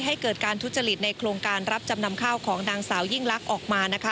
ให้เกิดการทุจริตในโครงการรับจำนำข้าวของนางสาวยิ่งลักษณ์ออกมานะคะ